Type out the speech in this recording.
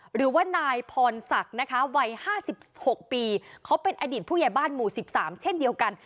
หรือว่านายพรศักดิ์นะคะวัย๕๖ปีเขาเป็นอดีตผู้ใหญ่บ้านหมู่๑๓เช่นเดียวกัน